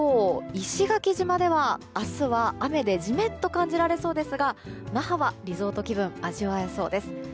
石垣島では明日は雨でジメッと感じられそうですが那覇はリゾート気分が味わえそうです。